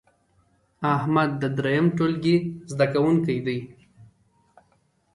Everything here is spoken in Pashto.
احمد د دریم ټولګې زده کوونکی دی.